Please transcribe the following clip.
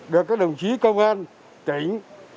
được các đồng chí công an tỉnh